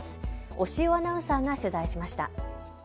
押尾アナウンサーが取材しました。